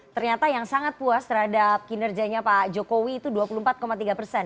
ternyata yang sangat puas terhadap kinerjanya pak jokowi itu dua puluh empat tiga persen